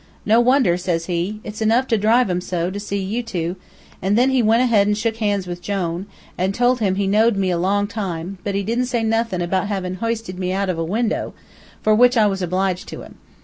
'No wonder,' says he. 'It's enough to drive 'em so, to see you two,' an' then he went ahead an' shook hands with Jone, an' told him he'd know'd me a long time; but he didn't say nuthin' about havin' histed me out of a winder, for which I was obliged to him.